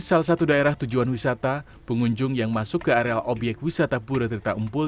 salah satu daerah tujuan wisata pengunjung yang masuk ke areal obyek wisata pura tirta empul